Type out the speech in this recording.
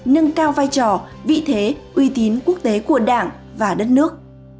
nâng cao vai trò vị thế uy tín quốc tế của đảng và đất nước